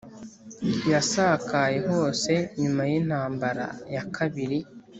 yasakaye hose nyuma y'intambara ya kabiri